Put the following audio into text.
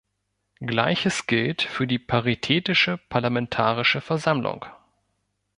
Gleiches gilt für die Paritätische Parlamentarische Versammlung.